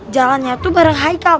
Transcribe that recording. jalannya tuh bareng haikal